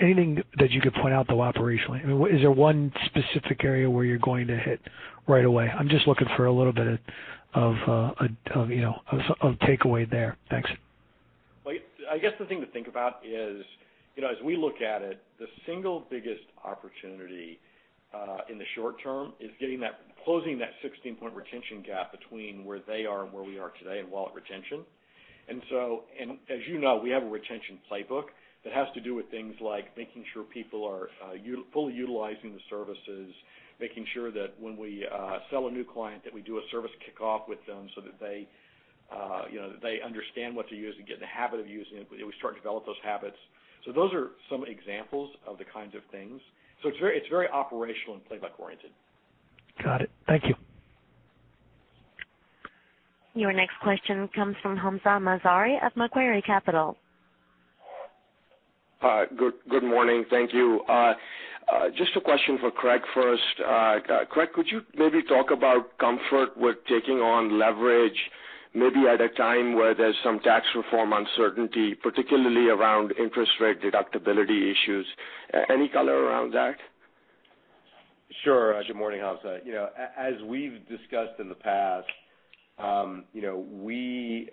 Anything that you could point out, though, operationally? I mean, is there one specific area where you're going to hit right away? I'm just looking for a little bit of, you know, of takeaway there. Thanks. I guess the thing to think about is, you know, as we look at it, the single biggest opportunity, in the short term is closing that 16-point retention gap between where they are and where we are today in wallet retention. As you know, we have a retention playbook that has to do with things like making sure people are fully utilizing the services, making sure that when we sell a new client that we do a service kickoff with them so that they, you know, they understand what to use and get in the habit of using it. We start to develop those habits. Those are some examples of the kinds of things. It's very, it's very operational and playbook-oriented. Got it. Thank you. Your next question comes from Hamzah Mazari of Macquarie Capital. Hi. Good morning. Thank you. Just a question for Craig first. Craig, could you maybe talk about comfort with taking on leverage, maybe at a time where there's some tax reform uncertainty, particularly around interest rate deductibility issues? Any color around that? Sure. Good morning, Hamzah. You know, as we've discussed in the past, you know, we,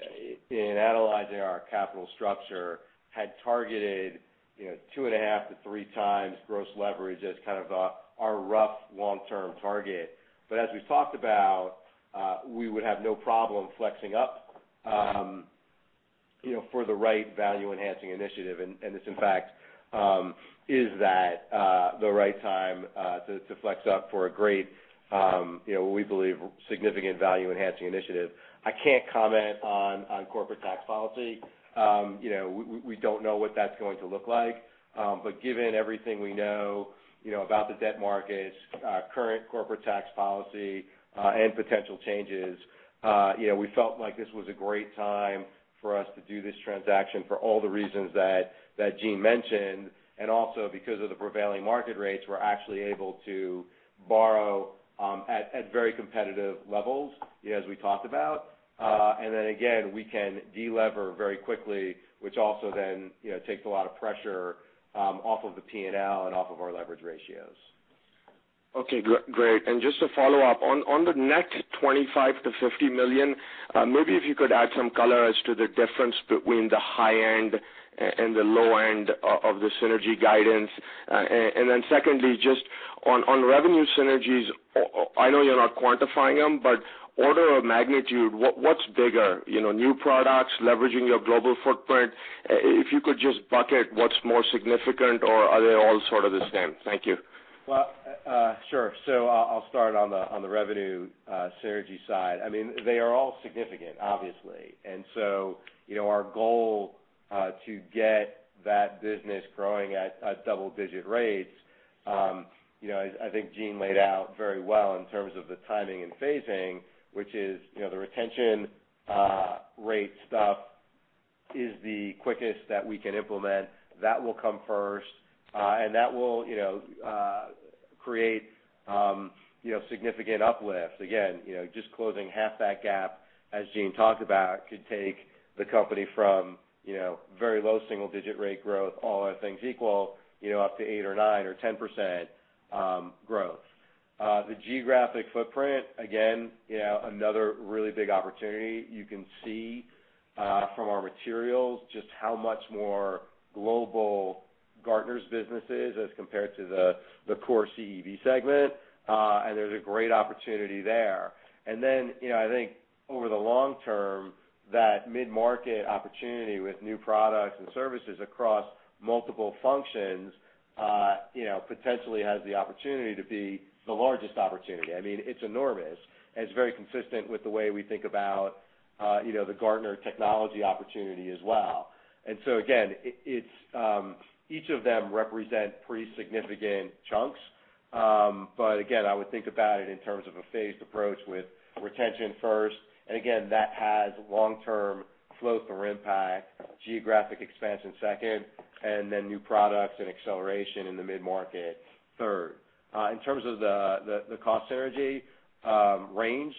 in analyzing our capital structure, had targeted, you know, 2.5x-3x gross leverage as kind of, our rough long-term target. As we've talked about, we would have no problem flexing up, you know, for the right value-enhancing initiative. This, in fact, is that the right time to flex up for a great, you know, we believe significant value-enhancing initiative. I can't comment on corporate tax policy. You know, we don't know what that's going to look like. Given everything we know, you know, about the debt markets, current corporate tax policy, and potential changes, you know, we felt like this was a great time for us to do this transaction for all the reasons that Gene mentioned. Also because of the prevailing market rates, we're actually able to borrow at very competitive levels, as we talked about. Again, we can de-lever very quickly, which also then, you know, takes a lot of pressure off of the P&L and off of our leverage ratios. Okay, great. Just to follow up, on the net $25 million-$50 million, maybe if you could add some color as to the difference between the high end and the low end of the synergy guidance. Secondly, just on revenue synergies, I know you're not quantifying them, but order of magnitude, what's bigger? You know, new products, leveraging your global footprint? If you could just bucket what's more significant or are they all sort of the same? Thank you. Well, sure. I'll start on the on the revenue synergy side. I mean, they are all significant, obviously. You know, our goal to get that business growing at double-digit rates, you know, I think Gene laid out very well in terms of the timing and phasing, which is, you know, the retention rate stuff is the quickest that we can implement. That will come first, that will, you know, create, you know, significant uplifts. Again, you know, just closing half that gap, as Gene talked about, could take the company from, you know, very low single-digit rate growth, all other things equal, you know, up to 8% or 9% or 10% growth. The geographic footprint, again, you know, another really big opportunity. You can see from our materials just how much more global Gartner's business is as compared to the core CEB segment. There's a great opportunity there. You know, I think over the long term, that mid-market opportunity with new products and services across multiple functions, you know, potentially has the opportunity to be the largest opportunity. I mean, it's enormous, and it's very consistent with the way we think about, you know, the Gartner technology opportunity as well. Again, it's each of them represent pretty significant chunks. Again, I would think about it in terms of a phased approach with retention first, and again, that has long-term flow-through impact, geographic expansion second, and then new products and acceleration in the mid-market third. In terms of the cost synergy, range,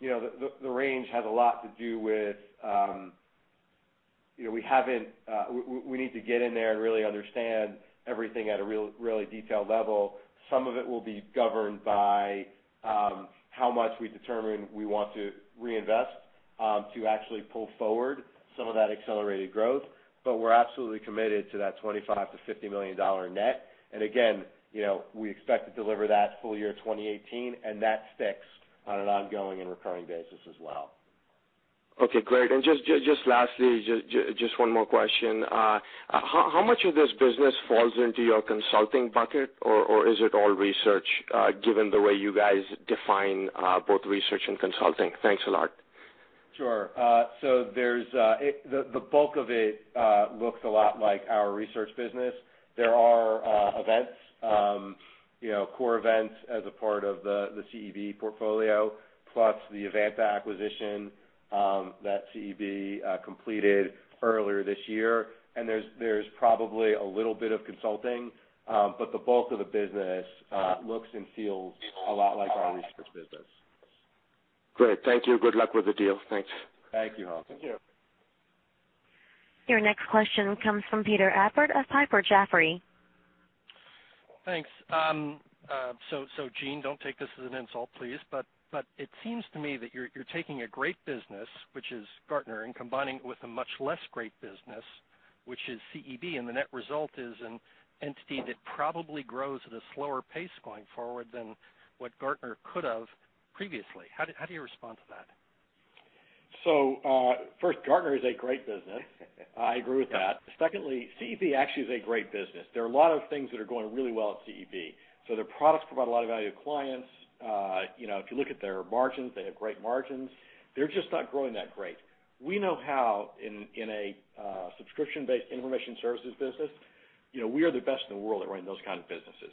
you know, the range has a lot to do with, you know, we need to get in there and really understand everything at a really detailed level. Some of it will be governed by, how much we determine we want to reinvest, to actually pull forward some of that accelerated growth. We're absolutely committed to that $25 million-$50 million net. Again, you know, we expect to deliver that full year 2018, and that sticks on an ongoing and recurring basis as well. Okay, great. Just lastly, just one more question. How much of this business falls into your consulting bucket or is it all research, given the way you guys define both research and consulting? Thanks a lot. Sure. There's the bulk of it looks a lot like our research business. There are events, you know, core events as a part of the CEB portfolio, plus the Evanta acquisition that CEB completed earlier this year. There's probably a little bit of consulting, but the bulk of the business looks and feels a lot like our research business. Great. Thank you. Good luck with the deal. Thanks. Thank you, Hamzah. Your next question comes from Peter Appert of Piper Jaffray. Thanks. so Gene, don't take this as an insult, please, but it seems to me that you're taking a great business, which is Gartner, combining it with a much less great business, which is CEB. The net result is an entity that probably grows at a slower pace going forward than what Gartner could have previously. How do you respond to that? First, Gartner is a great business. I agree with that. Secondly, CEB actually is a great business. There are a lot of things that are going really well at CEB. Their products provide a lot of value to clients. You know, if you look at their margins, they have great margins. They're just not growing that great. We know how in a subscription-based information services business, you know, we are the best in the world at running those kind of businesses.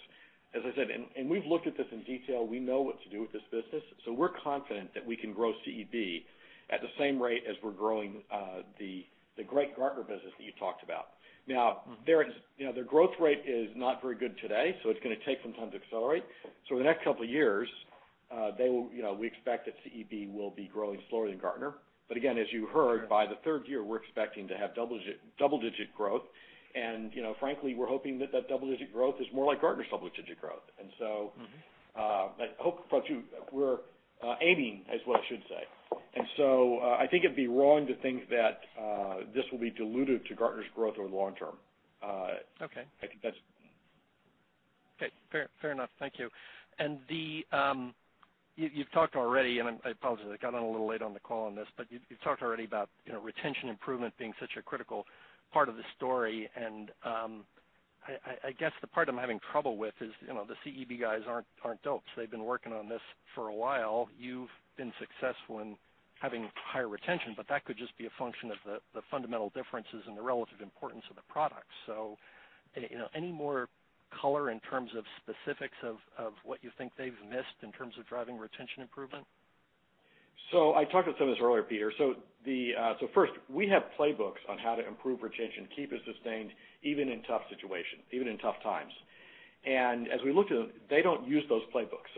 As I said, and we've looked at this in detail, we know what to do with this business, so we're confident that we can grow CEB at the same rate as we're growing the great Gartner business that you talked about. There is, you know, their growth rate is not very good today, so it's going to take some time to accelerate. In the next couple years, they will, you know, we expect that CEB will be growing slower than Gartner. Again, as you heard, by the third year, we're expecting to have double-digit growth. You know, frankly, we're hoping that that double-digit growth is more like Gartner's double-digit growth. I hope for two. We're aiming is what I should say. I think it'd be wrong to think that this will be dilutive to Gartner's growth over the long term. Okay. I think that's it. Okay. Fair, fair enough. Thank you. You've talked already, I apologize, I got on a little late on the call on this, but you talked already about, you know, retention improvement being such a critical part of the story. I guess the part I'm having trouble with is, you know, the CEB guys aren't dopes. They've been working on this for a while. You've been successful in having higher retention, but that could just be a function of the fundamental differences in the relative importance of the products. You know, any more color in terms of specifics of what you think they've missed in terms of driving retention improvement? I talked about some of this earlier, Peter. First, we have playbooks on how to improve retention, keep it sustained, even in tough situations, even in tough times. As we looked at them, they don't use those playbooks.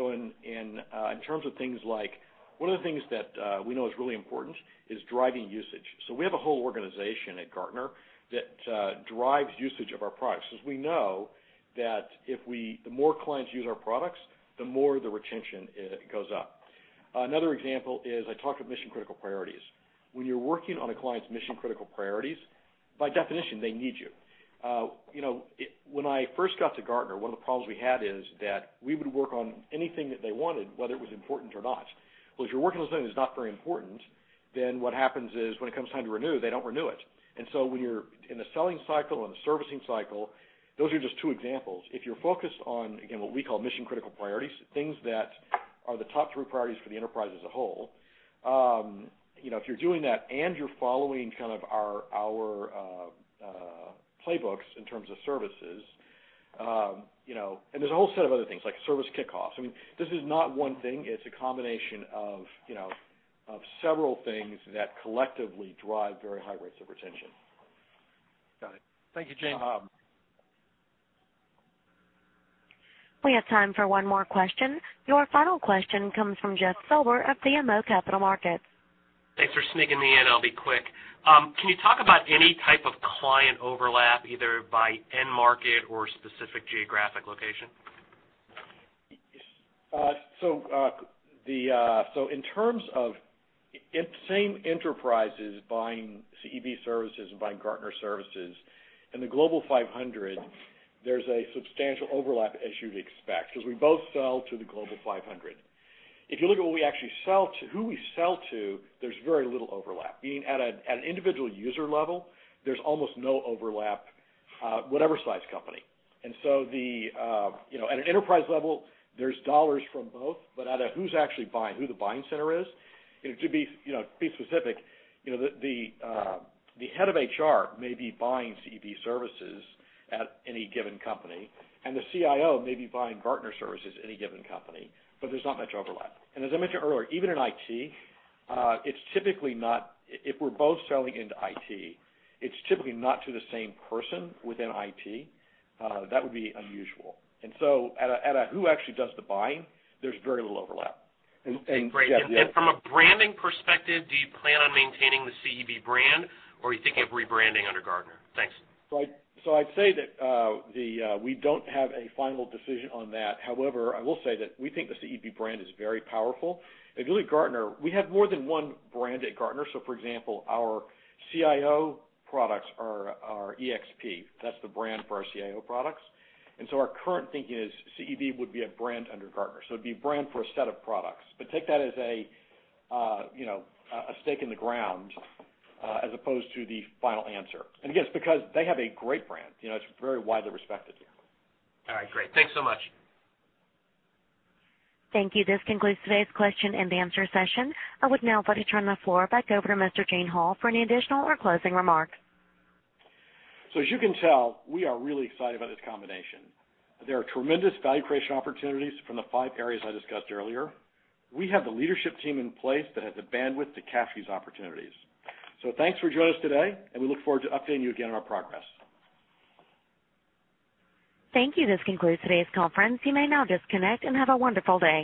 One of the things that we know is really important is driving usage. We have a whole organization at Gartner that drives usage of our products, 'cause we know that the more clients use our products, the more the retention goes up. Another example is I talked of mission-critical priorities. When you're working on a client's mission-critical priorities, by definition, they need you. You know, when I first got to Gartner, one of the problems we had is that we would work on anything that they wanted, whether it was important or not. Well, if you're working on something that's not very important, then what happens is when it comes time to renew, they don't renew it. When you're in the selling cycle, in the servicing cycle, those are just two examples. If you're focused on, again, what we call mission-critical priorities, things that are the top three priorities for the enterprise as a whole, you know, if you're doing that and you're following kind of our, playbooks in terms of services, you know There's a whole set of other things, like service kickoffs. I mean, this is not one thing. It's a combination of, you know, of several things that collectively drive very high rates of retention. Got it. Thank you, Gene. We have time for one more question. Your final question comes from Jeff Silber of BMO Capital Markets. Thanks for sneaking me in. I'll be quick. Can you talk about any type of client overlap, either by end market or specific geographic location? In terms of same enterprises buying CEB services and buying Gartner services, in the Global 500, there's a substantial overlap as you'd expect, 'cause we both sell to the Global 500. If you look at what we actually sell to, who we sell to, there's very little overlap. Meaning at an individual user level, there's almost no overlap, whatever size company. You know, at an enterprise level, there's dollars from both, but at a who's actually buying, who the buying center is, you know, to be, you know, to be specific, you know, the head of HR may be buying CEB services at any given company, and the CIO may be buying Gartner services at any given company, but there's not much overlap. As I mentioned earlier, even in IT, if we're both selling into IT, it's typically not to the same person within IT. That would be unusual. At a who actually does the buying, there's very little overlap. Yeah. Great. From a branding perspective, do you plan on maintaining the CEB brand, or are you thinking of rebranding under Gartner? Thanks. I'd say that we don't have a final decision on that. However, I will say that we think the CEB brand is very powerful. If you look at Gartner, we have more than one brand at Gartner. For example, our CIO products are EXP. That's the brand for our CIO products. Our current thinking is CEB would be a brand under Gartner. It'd be a brand for a set of products. Take that as a, you know, a stake in the ground, as opposed to the final answer. Again, it's because they have a great brand. You know, it's very widely respected, yeah. All right, great. Thanks so much. Thank you. This concludes today's question-and-answer session. I would now like to turn the floor back over to Mr. Eugene Hall for any additional or closing remarks. As you can tell, we are really excited about this combination. There are tremendous value creation opportunities from the five areas I discussed earlier. We have the leadership team in place that has the bandwidth to capture these opportunities. Thanks for joining us today, and we look forward to updating you again on our progress. Thank you. This concludes today's conference. You may now disconnect and have a wonderful day.